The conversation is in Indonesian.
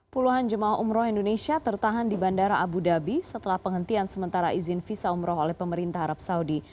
puluhan jemaah umroh indonesia tertahan di bandara abu dhabi setelah penghentian sementara izin visa umroh oleh pemerintah arab saudi